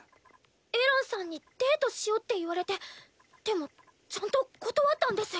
エランさんにデートしようって言われてでもちゃんと断ったんです。